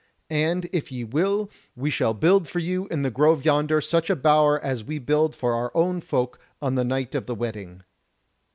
And if ye will, we shall build for you in the grove yonder such a bower as we build for our own folk on the night of the wedding."